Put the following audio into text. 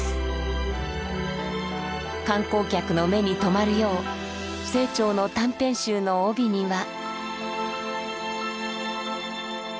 観光客の目に留まるよう清張の短編集の帯には。